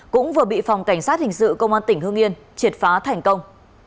cũng vừa bị phòng cảnh sát hình sự công an tỉnh hương yên triệt phá thành công